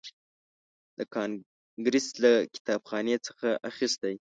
د کانګریس له کتابخانې څخه اخیستی.